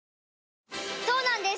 そうなんです